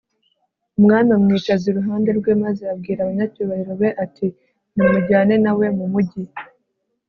umwami amwicaza iruhande rwe maze abwira abanyacyubahiro be, ati nimujyane na we mu mugi